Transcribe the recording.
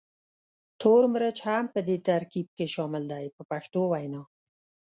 تور مرچ هم په دې ترکیب کې شامل دی په پښتو وینا.